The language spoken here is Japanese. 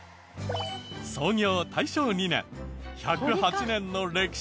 創業大正２年１０８年の歴史ある専門店。